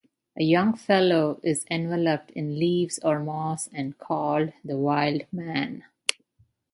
A young fellow is enveloped in leaves or moss and called the Wild Man.